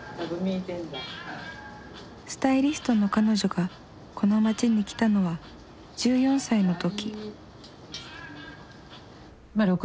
スタイリストの彼女がこの街に来たのは１４歳の時。